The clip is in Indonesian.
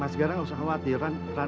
mas gara gak usah khawatir